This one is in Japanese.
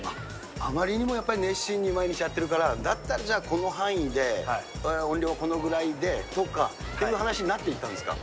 あまりにもやっぱり熱心に毎日やってるから、だったらこう、この範囲で、音量はこのぐらいでとか許可っていう話になっていったんですか。